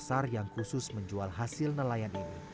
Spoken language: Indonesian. pasar yang khusus menjual hasil nelayan ini